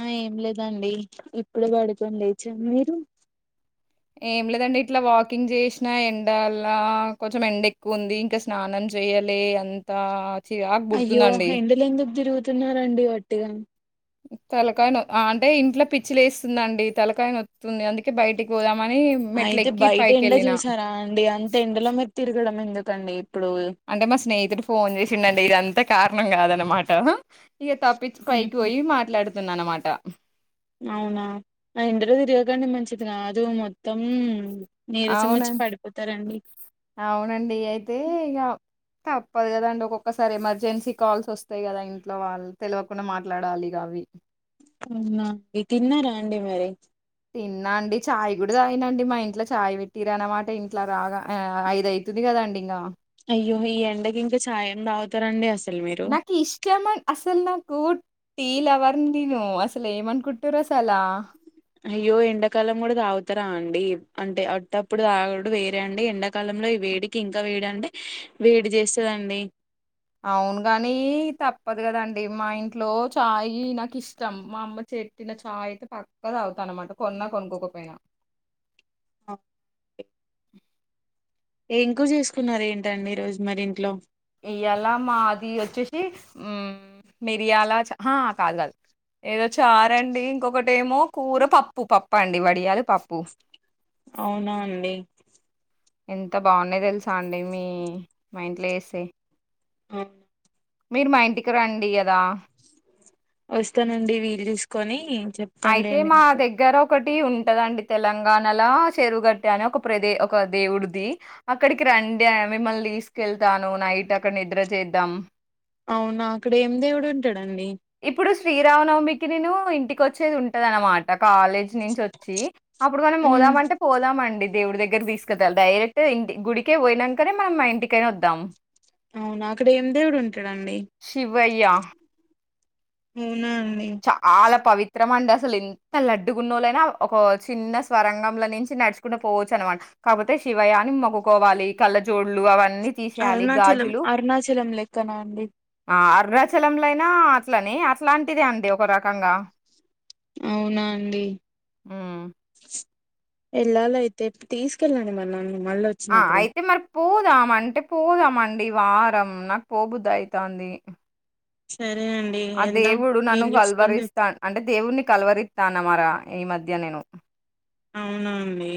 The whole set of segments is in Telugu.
ఆ ఏం లేదండి ఇప్పుడు పడుకోం లేచ మీరు ఏం లేదండి ఇట్లా వాకింగ్ చేసినా ఎండలా కొంచెం ఎండ ఎక్కువ ఉంది ఇంకా స్నానం చేయాలి అంతా అయ్యో ఎందులో ఎందు తిదిరుగు స్తున్నారండి వట్టిగా తలకాయ నొఅంటే ఇంట్లో పిచ్చి లేస్తుందండి తలకాయనొ తుంది అందుకే బయటికి పోదాం అయితే బయట ఎండ చూసారా అండి అంత ఎండలో మీరు తిరుగ్ దూరంఎందుకండి అంటే మా స్నేహతుడు ఫోన్ చేసిండండి ఇదంతా కారణం కాదనమాట ఇ తప్పిచి పైకి ఉహు, పోయి మాట్లాడు స్తున్నా అనమాట ఉమ్ అవునా ఆ ఇంటిలో తిరిగకండి మంచిది కాదు మొత్తం నీరసం వచ్చి అవునండి పడిపోతారండి అవునండి అయితే ఇక తప్పదు కదాండి ఒక్కొక్కసారి ఎమర్జెన్సీ కాల్స్ వస్తాయి కదా ఇంట్లో వాళ్ళు తెలియకుండా మాట్లాడాలి అవి అవునఇతిన్న రాండిమరి తిన్నా అండి చాయ్ కూడా తాగినండి మా ఇంట్లో చాయ్ పెట్టిర అన్నమాట ఇంట్లో రాగా ఆ ఐదవుతుంది కదండి ఇంగా అయో ఈ ఎండకి ఇంకా ఛాయెంతాగురండి నాకు ఇష్టం అసలు నాకు టీలవర్‌ ని నేనుఅసలు ఏమనుకుంటూరు రస అలా అయ్యో ఎండాకాలం కూడా తాగుతారా అయ్యో ఎండ కాలం కూడ తాగుతార అండిఅంటే అటప్పుడు తాగుడు వేరే అండి ఎండాకాలంలో వేడికి ఇంకా వేడు అంటే వేడి చ చేస్తదండి అవును ని తప్పదు కదండి మా ఇంట్లో చాయ్ నాకు ఇష్టం మా అమ్మ చెట్టిన చాయ్ అయితే పక్కద అవుతాను అనమాట కొన్నా కొనుక్కోకపోయి అ ఎంకు రచేసుకున్నారు ఏంటండి ఈ రోజు మరి ఇంట్లో ఇయ్యలా మాది వచ్చేసి ఉమ్ మిరియాల చా ఆహ్ కాద్ కాదు ఏదో చారండి ఇంకొకట్ టెమో కూర పప్పుూ పప్ పండి వడియాలు పప్పు అవునా అండి ఎంత బాగుంనాయో తెలుసా అండి మీ మీ ఇంట్లో ఏస్తే ఆ మీరు మా ఇంటికి రండి అదా వస్తానండి వీలు చుసుకొని అయితే మా దగ్గర ఒ ఒకటి ఉంటదండి తెలంగాణలో చెరువుగట్ట అని ఒక ప్రదే ఒక దేవుడిది అక్కడికి రండి మిమ్మల్ని తీసుకెళ్తాను నైట్ అక్కడ నిద్ర చేద్దాం అవునా అక్కడ ఏం దేవుడు ఉంటాడు అండి ఇప్పుడు శ్రీరామనవమికి నేను ఇంటికి వచ్చేది ఉంటదనమాట కాలేజ్ నుంచి వచ్చి అప్పుడు మనం ఉమ్ పోదామంటే పోదామండి దేవుడి దగ్గర తీసుకెళ్తా డైరెక్ట్ ఇంటి గుడికే పోయినాంకనే మనం మా ఇంటికైన వద్దాం అవునా అక్కడ ఏం దేవడు ఉం టడండి వయ్య ఉ చాలా పవిత్రమండ అ అసలు ఇంత లడ్డుగున్నోళ్ళైనా ఒక చిన్న స్వరంగంల నుంచి నడుచుకుంట పోవచ్చు అనమాట కాకపోతే శివయ్య అని మొక్కకోవాలి కళ్ళ జోళ్లు అవ న్ని తీసేయాలి అరుణాచలం గాజులు అరుణాచలం లెక్కనా అండి ఆ అరుణాచలం ల ఇక్కడైనా అట్లనె అట్లాంటిది అం దే ఒక రకంగా అవునా అండి హ్మ్. ఎళ్ళాల అయితే తీసుకెళ్ళండి మరి నన్ను మళ్ళీ ఆ వచ్చినప్పుడు అయితే మరి పోదాం అంటే పోదాం అ అండి ఈ వారం నాకు పోబుదాయితాంది సరే అండి ఆ వెళ్దాం దేవుడు నన్ను వీలు చూసుకొని కల్వరిస్తా చెప్తా అంటే దేవున్ని కల్వరి తాన మర ఈ మధ్య నేను అవునా అండి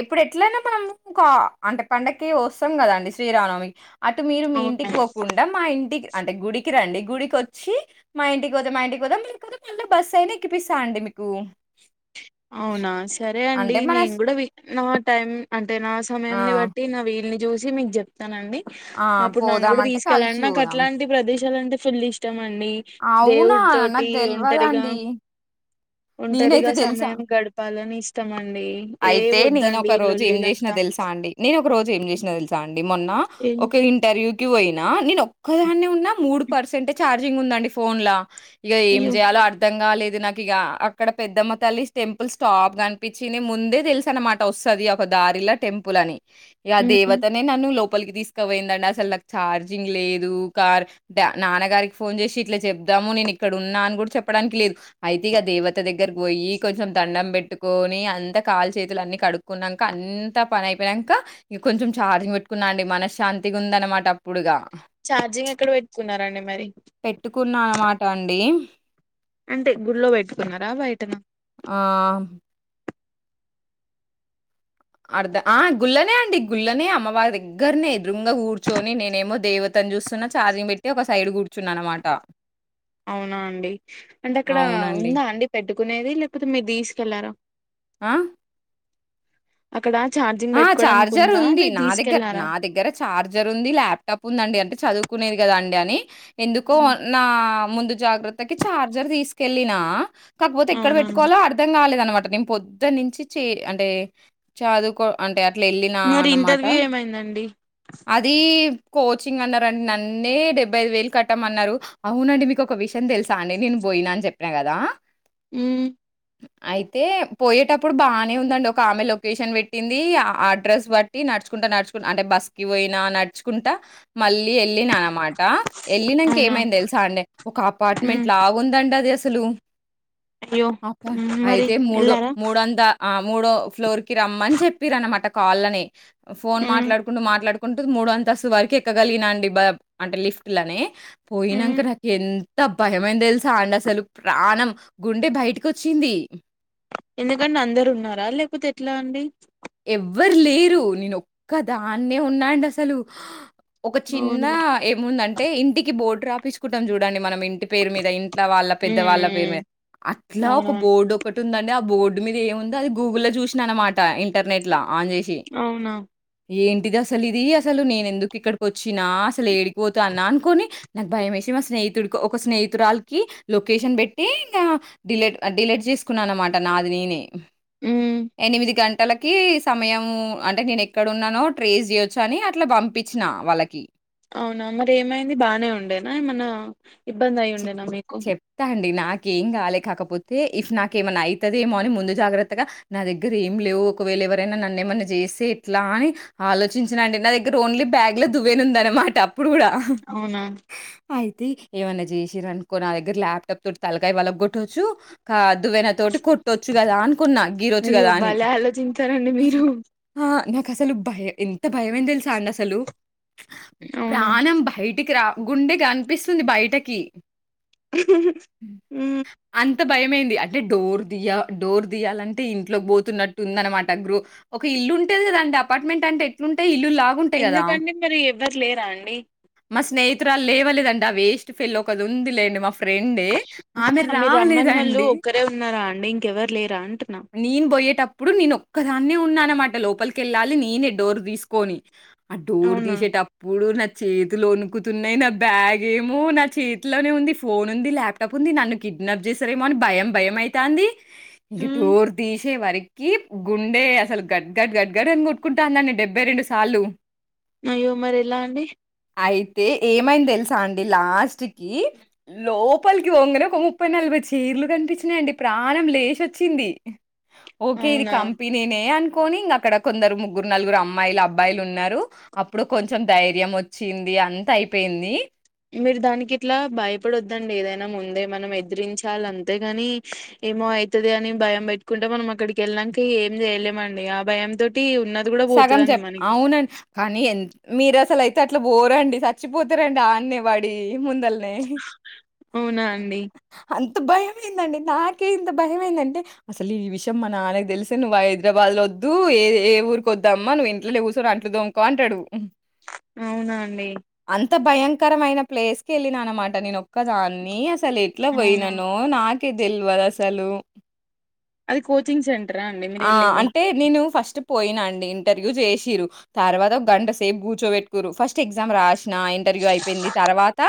ఇప్పుడు ఎట్లానా మనం క అంటే పండక్కి వస్తాం కదండి శ్రీరామనవమి అటు మీరు మీ అవునా ఇంటికి పోకుండా మా ఇంటికి అంటే గుడికి రండి గుడికి వచ్చి మా ఇంటికి పోదాం మా ఇంటికి పోదాం లేకపోతే మళ్ళ బస్ అయిన ఎక్కిపిస్తా అండి మీకు అవునా సరే అండి అంటే మన నేను స్ కూడా వి నా టైమ్ అం అంటే నా ఆ! సమయంని బట్టి నా వీల్ని చూసి మీకు చెప్తానండి ఆ! అప్పుడు నన్ను కూడా పోదామంటే తీసుకెళ్ళండి కలిసి నాకు పోదాం. అట్లాంటి ప్రదేశాలు అంటే ఫుల్ ఇష్టం అండి అవునా దేవుడి తోటి నాక్ ఒంటరిగా దెల్వదండి ఒంటరిగా ననైతే దేల్సా సమయం గడపాలని ఇష్టం మండ్ అయితే నేనోక రోజు ఏం జేసినా దెల్సా అండి నేను ఒక రోజు ఏం చేసినా దెల్సండ్ డి మొన్న ఏ- ఒక ఇంటర్వ్యూ క్యూ అయినా నేను ఒక్కదానే ఉన్నా మూడు పర్సెంటె ఛార్ ర్జింగ్ ఉందండి ఫోన్లా ఇగ ఏం అయ్యో జేయాలో అర్ధం లేదు నాకు ఇక అక్కడ పెద్దమ్మ తల్లి టెంపుల్ స్టాప్ కనిపించి ముందే తెలుస అనమాట వస్తుంది ఒక దారిలా టెంపుల్ అని యా దేవతనే నన్న లో పోలికి తీసుకపోయిందండి అసల్ నాకు చార్జింగ్ లేదు కార్ డ్య నాన్నగారికి ఫోన్ చేసి ఇట్లా చెప్దాము నేను ఇక్కడ ఉన్నా అని కూడా చెప్పడానికి లేదు అయితే ఇక దేవత దెగ్ గ్గర బోయి కొంచెం దండం పెట్ పెట్టుకని అంత కాలు చేతులు అన్ని కడుక్కున్నాక అంత పని అయిపోయినాక ఇంక కొంచెం ఛార్జింగ్ పెట్టుకున్నా అండి మనస్శాంతిగా ఉంద అనమాట అప్పుడుగా చార్జింగ్ ఎక్కడ పెట్టుకున్నారండి మరి అనుకున్నా అన్నమాట అండి అంటే గుళ్ పెట్టుకున్నారా బయటను ఆహ్, అర్ధ ఆ గుళ్ళనే అండి గుళ్ళనే అమ్మవారి దగ్గరనే ఎదురుంగా కూర్చొని నేనేమో దేవతను చూస్తున్నా ఛార్జింగ్ పెట్టి ఒక సైడ్ కూర్చ అవునా అండి అంటే అక్కడ అవునండి. ఉందా అండి పెట్టు కునేది లేకపోతే మీరు తీసుకెళ్లార ఆ అక్కడ ఛార్జింగ్ ఆ పెట్టుకోవడానికి చఛార్జర్ ఉందా ఉంది మీరు నా దగ్గర తీసుకెళ్లారా నా దగ్గర చఛార్జర్ ఉంది ల్యాప్టాప్ ఉందండి అంటే చదువు కునేది కదా అండి అని ఎందుకో ఉమ్, నా ముందు జాగ్రత్తకి చఛార్జర్ తీసుకెళ్ళిన కాకపోతే ఎక్కడ అవునా అండి పెట్టుకోవాలో అర్థం కాలేద అన్న వాటిని పొద్దు నుంచి చే అంటే చదుకో అంటే అట్లా వెళ్ళినా మరి అన్నమాట ఇంటర్వ్యూ ఏమైందండి అది కోచింగ్ అన్నారుండి నన్నే డెబ్బై ఐదు వేలు కట్టామన్నారు అవునండి మీకు ఒక విషయం తెలుసా అండి నేను పోయినా అని చెప్పినా కదా ఆ అయితే పోయేటప్పుడు బాగానే ఉందండి ఒక ఆమె లొకేషన్ పెట్టి అడ్రస్ బట్టి నడుచుకుంటా నడుచుకు అంటే బస్ క పోయినా నడుచుకుంటా మళ్ళీ వెళ్ళిన అనమాట వెళ్ళినాక అవునా ఏమైంది తెలుసా అండి ఒక అపార్ట్మెంట్ ఉమ్ లాగుందండి అది సలు అయ్యో అప్ప ఉమ్ మరి అయితే మూడు ఎల్లారా మూడుంద ఆ మూడో ఫ్లోర్ కి రమ్మని చెప్పి చెప్పర అన్నమాట కాళ్ళనే ఫోన్ ఉమ్ మాట్లాడుకుంటూ మాట్లాడుకుంట కుంటు మూడు అంతస్తు వరకు ఎక్కగలిగినండి అంటే లిఫ్ట్ లని ఉమ్ పోయినాక నాక ఎంత త భయమైంది తెలిసా అండి అసలు ప్రాణం గుండె బయటికి వచ్చింది ఎందుకంటే అందరు ఉన్నారా లేకపోతే ఎట్లా అండి ఎవ్వరు లేరు నేను ఒక్క దాన్నే ఉన్నా అండి అసలు ఒక చిన్న అవునా ఉమ్ ఏముందంటడి అంట ఇంటికి బోర్డు రాపిచుకుంటం చూడండి మనం ఇ పేరు మీద ఇంట్ల వాళ్ళ పెద్ద వాళ్ళ పేరు ఉమ్ మీద అట్లా ఒక అవునా బోర్డు ఒక ఉందండి ఆ బోర్డు మీద ఏముందో అది గూగుల్లో లో చూసిన అనమాట ఇ ఇంటరనేట్లా ఆన్ చేసి అవునా ఏంటిది అసలు ఇది అసలు నేన ఎందుకు ఇక్కడికి ఒచ్చిన అసలు ఏడికి ఒతన్నా అనుకొని నాకు భయ వేసి మా స్నేహితుడికి ఒక స్నేహితురాళికి లొకేషన్ పెట్టి ఇంకా డిలీట్ డిలీట్ చేసుకున్నాను అనమాట నాది నేనే ఉమ్ ఎనిమిది గం బట్టలకి సమయం అంటే నేను ఎక్కడున్నానో ట్రేస్ చేయొచ్చు అని అట్లా పంపించిన వాళ్ళకి అవునా మరి ఏమైంది బాగానే ఉండేనా ఏమన్నా ఇబ్బంది అయి ఉండేనా మీకు ఏం కాలే కాకపోతే ఇఫ్ నాకెమన్న ఐతదేమో అని ముందు జాగ్రత్తగా నా దగ్గర ఏం లేవు ఒకవేళ ఎవరైనా నన్ను ఏమన్నా చేస్తే ఎట్లా అని ఆలోచించిన అంటే నా దగ్గర ఓన్లీ బ్యాగ్ లో దువ్వనుందన్నమాట ఇప్పుడు కూడా ఆహ్ అవునా ఆ తి ఏమన్నా చే సినంరానుక్క అనుకో నా దగ్గర ల్యాప్టాప్ తోటి తలకాయ వలగ కొట్టొచ్చు కా దువన తోటి కొట్టొచ్చు కదా అనుకున్నా గీరొచ్చు అయ్యో కదా అని భలే ఆలోచించారండి మీరు కసలు బయ ఎంత ఎంత భయం ఐంది తెలుసా అండి అసలు అవునా ప్రాణం బయటికి రా గుండె కనిపిస్తుంది బయటకి హ హ హ ఉమ్ ఎంత భయమైంది అంటే డోర్ దియ డోర్ దియాలంటే ఇంట్లోకి పోతున్నట్టు ఉంద అనమాట గ్రు ఒక ఇల్లు ఉంటది కదండి అపార్ట్మెంట్ అంటే ఎట్లుంటయి ఇల్ ఎందుకండి మరి ఎవ్వరు లేరా అండి మా స్నేహితురాలు లేవలేదండి ఆ వేస్ట్ ఫెల్లో ఒకతి ఉంది లేండి మా ఫ్రెండే ఆమె ఆహా మీరు రమ్మన్న ఒళ్ళు రాలేదండి. ఒక్కరే ఉన్నారా అండి ఇంకెవరు లేరా అంటున్నా ఇప్పుడు నేను ఒక్కదాన్నే ఉన్నా అనమాట లోపలికిళ్ళాలి నేనే డోర్ తీసుకొని ఆ డోర్ అవునా తీసేట అప్పుడు నా చేతులు ఒనుకుతున్నాయి నా బ్యాగ్ ఏమో నా చేతి ఇంట్లనే ఉంది ఫోన్ ఉంది ల్యాప్టాప్ ఉంది నన్ను కిడ్నాప్ చేసారేమో అని భయం భయంఐతంది ఇంక మ్మ్ డోర్ దీశే వరకి కి గుండె అసలు గడ్గడ్ గడ్గడ్ అని కొట్టుకుంటాందండి డెబ్బై రెండు సార్లు అయ్యో మరి ఎలా అండి అయితే ఏమైంది తెలుసా అండి లాస్ట్ కి లో లోప్పలికి ఒంగనే ఒక ముప్పై నలభై చీరలు కనిపించినాయండి ప్రాణం లేసొచ్చింది ఓకే ఇది అవునా కంపెనీనే అం అకని ఇంక అక్కడ కొందరు ముగ్గురు నలుగురు అమ్మాయిలు అబ్బాయిలు ఉన్నారు అప్పుడు కొంచెం ధైర్యం వచ్చింది అంత అయిపోయింది మీరు దానికి ఇట్లా భయపడొద్దండి ఏదైనా ముందే మనం ఎదిరించాల్ అంతేగాని ఏమో అయితది అని భయం పెట్టుకుంటే మనం అక్కడికి వెళ్ళనికి ఏం చేయలేమండి ఆ భయం తోటి ఉన్నది కూడా సగం పోతదండి చెప్ మనకి అవునండి కానీ ఎన్ మీరు అసలు అయితే అట్లా పోరండి చచ్చిపోతారండి ఆన్నే పడి ముందల్నే అవునా అండి అంత భయమైందండి నాకే ఇంత భయంమైందంటే అసలు ఈ విషయం మా నాన్నకు తెలిసే నువ్వు హైదరాబాద్ లో వద్దు ఏ ఏ ఊరు కొద్దమ్మ నువ్వు ఇంట్లో కూచొని అంట్లు దొమ్కో అంటడు అవునా అండి అంత భయంకరమైన ప్లేస్ కి వెళ్ళిన అనమాట నేనొక్కదాన్ని అదెట్ల అవునా పోయిననో నాకే తెల్వదు అసలు అది కోచింగ్ సెంటర్ ఆ అంటే నేను ఫస్ట్ పోయినా అండి ఇంటర్వ్యూ చేసిరు తర్వాత ఒక గంట సేపు కూర్చోబెట్టుకురు ఫస్ట్ ఎగ్జామ్ రాసిన ఇంటర్వ్యూ అయిపోయింది తర్వాత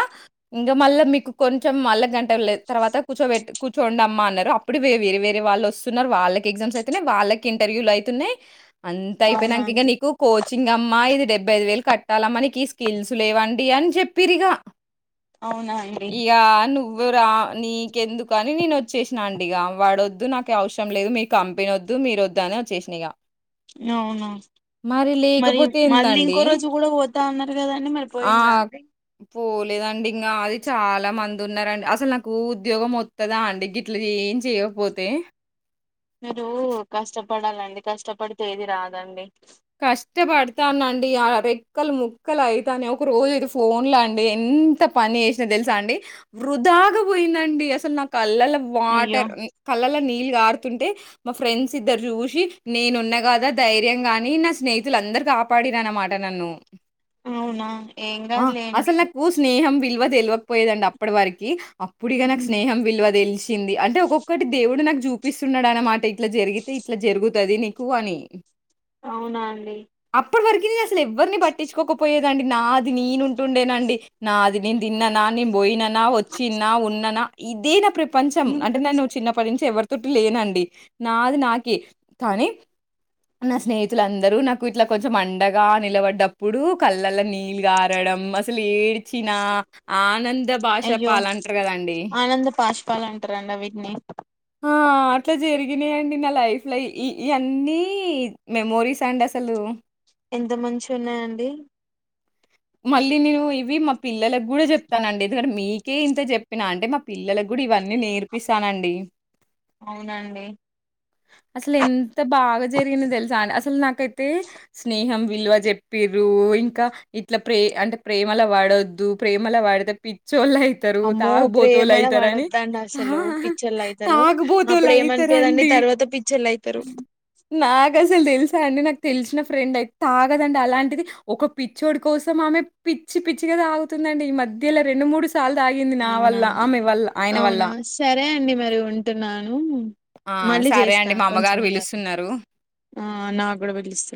ఇంకా మళ్ళ మీకు కొంచెం మళ్ళా గంట తర్వాత కూర్చోెబెట్ కూర్చోండమ్మ అన్నారు అప్పుడు వేరే వేరే వాళ్ళు వస్తున్నారు వాళ్ళకి ఎగ్జామ్స్ అ అయితున్నయ్ వాళ్ళకి ఇంటర్వ్యూలు అయితున్నాయి అంత అవునా అయిపోయినాక ఇగ అండి నీకు కోచింగ్ అమ్మా ఇది డెబ్ డేబ్బైదు వేలు కట్టాలా మనకి ఈ స్కిల్స్ లేవండి అని చెప్పిరిగా అవునా అండి అరా నీకెందుకుకని నేను వచ్చి చేసినా అండి ఇ వాడ వొద్దు నాకు అవసం లేదు మీ కం వినొద్దు మీరు వద్దు అని వచ్చేసినగా అవును మరి లేకపోతే మళ్ళీ ఏందండి? ఇంకో రోజు కూడా పోతా ఉన్నారు కదాండి మరి ఆ! పోయిన రండి పోలేదండి ఇంకా అది చాలా మంది ఉన్నారండి అసలు నాకు ఉద్యోగం మొత్తదా అంటడి గిట్ల ఏం చేయకపోతే మీరు కష్టపడాలండి కష్టపడి తేదీ రాదండి కష్టపడతానండి ఆ రెక్కలు ముక్కలు అయితాని ఒక రోజు ఇది ఫోన్ లో అండి ఎంత పని చేసినా తెలుసా అండి వృధాగా పోయిందండి అసలు నా కళ్ళల్లో అయ్యో వాటర్ కళ్ళల నీ ఆడుతుంటే మా ఫ్రెండ్స్ ఇద్దరు చూసి నేను ఉన్న కదా ధైర్యం కాని నా స్నేహితులు అందరు కాపాడిన అన్నమాట నన్ను అవునా ఏం కాదులేండి అసలు నాకు స్నేహం విల్ తెలివకపోయేదండి అప్పటి వరకి అప్పుడిగా నాకు స్నేహం విలువ తెలిసింది అంటే ఒక్కొక్కటి దేవుడు నాకు చూపిస్తున్నాడు అన్నమాట ఇట్లా జరిగితే ఇట్లా జరుగుతుది నీకు అని అవునా అండి అప్పు వర్గ లు ఎవరిని పట్టిుకోకపోయది నాది నేను ఉంటుండేనండి నాది నింద దన్న నా నిం బయి న వచ్చిన్నా ఉన్ననా ఇదేనా ప్ర ప్రపంచం అంటే నేనువ్వు చిన్నప్పటి నుంచి ఎవరి తుట్టి లేనండి నాది నాక తనీ నా స్నేహితు అసలు అందరూ నాకు ఇట్లా కొంచెం అండగా నిలబడ్డప్పుడు కళ్ళల్లో నీళ్ళ ఆరడం అసలు ఏ వచ్చిన ఆనంద భాష పాలంటారు కదండి చెప్పాలంటారండి వీటిని ఆ అట్లా జరిగినాయంండి నా లైఫ్ లో ఈ అన్నీ మెమోరీస్ అండి అసలు ఎంత మంచి ఉన్నాయండి మళ్ళీ నేను ఇవి మా పిల్లలకు కూడా చెప్తానండి ఎందుకంటే మీకే ఇంత చెప్పినా అంటే మా పిల్లలకు కూడా ఇవన్నీ నేర్పిస్తానండి అవునండి అసలు ఎంత బాగా జరిగిన తెలుస అసలు నాకైతే స్నేహం విలువ చెప్పిర ఇంకా ఇట్లా ప్రే అంటే ప్రేమలా వాడొద్దు ప్రేమల వాడితే పి చోళ అవుతారు అమ్మో తాగుపోత వాళ్ళ ప్రేమల అవుతారుని పడొద్దండి అసలు పిచ్చోళ్ళు అయితారు తాగుపోత వాళ్ళ అప్పుడు ఏమనిపియదండి అవుతారుండి తర్వాత పిచ్చోళ్ళు అయితారు నాకు అసలు తెలుసు స అండి నాకు తెలిసిన ఫ్రెండ్ అయితే తాగదండి అలాంటిది ఒక పిచ్చ చోడు కోసం ఆమె పిచ్చి పిచ్చిగాదా ఆతుందండి ఈ మధ్యలో రెండు మూడు అవునా వల్ల. అవునా సరే అండి మరి ఉంటున్నాను ఆ! మళ్ళీ సరే అండి. చేస్తాను మా కొంచెం అమ్మగారు అయ పిలుస్తున్నారు. నాకు కూడా పిలుస్తున్నాను